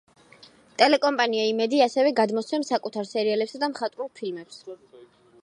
ტელეკომპანია იმედი ასევე გადმოსცემს საკუთარ სერიალებსა და მხატვრულ ფილმებს.